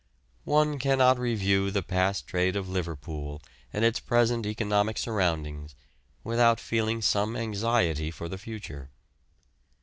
One cannot review the past trade of Liverpool and its present economic surroundings, without feeling some anxiety for the future.